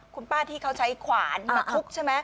คุณป้าที่เขาใช้ขวานอ่ะอะฮุกใช่ไหม